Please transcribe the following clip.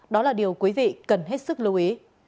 đó là điều quý vị cần hết sức lưu ý